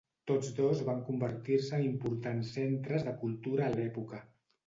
Tots dos van convertir-se en importants centres de cultura a l'època.